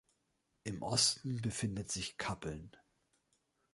Im Osten befindet sich Kappeln.